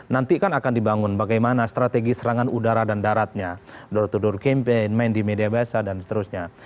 nanti kan akan dibangun bagaimana strategi serangan udara dan daratnya door to door campaign main di media basah dan seterusnya